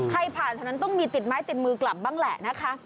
ผ่านฉะนั้นต้องมีติดไม้ติดมือกลับบ้างแหละนะคะ